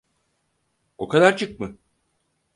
O kadarcık mı?